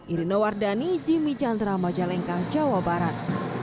iryna wardhani jimmy chandra majalengka jawa barat